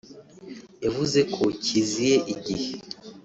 yavuze ko kiziye igihe